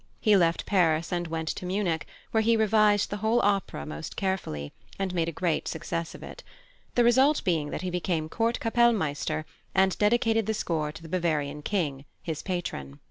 He left Paris and went to Munich, where he revised the whole opera most carefully, and made a great success of it; the result being that he became Court Capellmeister and dedicated the score to the Bavarian King, his patron.